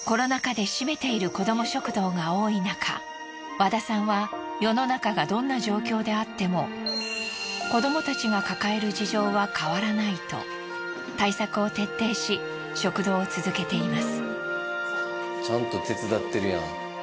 和田さんは世の中がどんな状況であっても子どもたちが抱える事情は変わらないとちゃんと手伝ってるやん。